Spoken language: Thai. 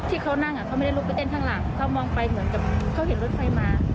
ที่เขานั่งเขาไม่ได้ลุกไปเต้นข้างหลังเขามองไปเหมือนกับเขาเห็นรถไฟมา